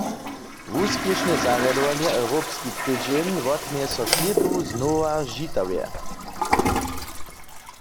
Wuspěšne zarjadowanje "Europski tydźeń" wotměje so klětu znowa w Žitawje.